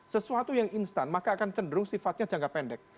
sesuatu yang instan maka akan cenderung sifatnya jangka pendek